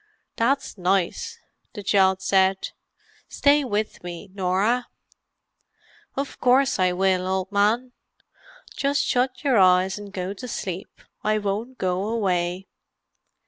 "That's nice!" the child said. "Stay with me, Norah." "Of course I will, old man. Just shut your eyes and go to sleep; I won't go away."